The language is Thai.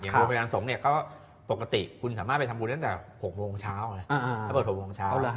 โรงพยาบาลสมปกติคุณสามารถไปทำบุญตั้งแต่๖โรงเช้า